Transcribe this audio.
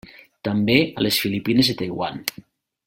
També a les Filipines i Taiwan.